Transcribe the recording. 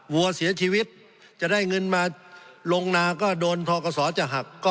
วัวเสียชีวิตจะได้เงินมาลงนาก็โดนทกศจะหัก